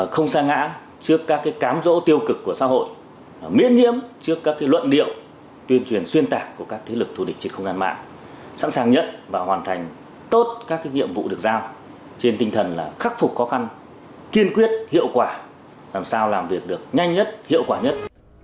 không xa ngã trước các cám rỗ tiêu cực của xã hội miễn nhiễm trước các luận điệu tuyên truyền xuyên tạc của các thế lực thủ địch trên không gian mạng sẵn sàng nhận và hoàn thành tốt các nhiệm vụ được giao trên tinh thần là khắc phục khó khăn kiên quyết hiệu quả làm sao làm việc được nhanh nhất hiệu quả nhất